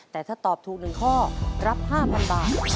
แต่ถ้าตอบถูก๑ข้อรับ๕๐๐๐บาท